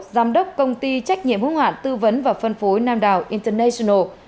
giám đốc công ty trách nhiệm hương hoạn tư vấn và phân phối nam đảo international